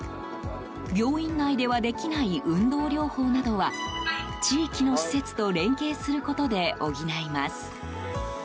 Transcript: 病院内ではできない運動療法などは地域の施設と連携することで補います。